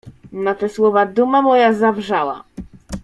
"Na te słowa duma moja zawrzała."